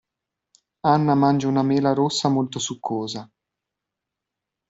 Anna mangia una mela rossa molto succosa.